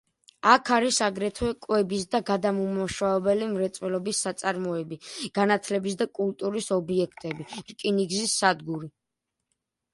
აქ არის აგრეთვე კვების და გადამამუშავებელი მრეწველობის საწარმოები, განათლების და კულტურის ობიექტები, რკინიგზის სადგური.